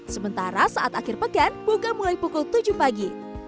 sementara saat akhir pekan buka mulai pukul tujuh pagi